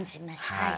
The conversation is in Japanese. はい。